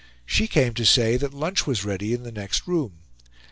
She came to say that lunch was ready in the next room.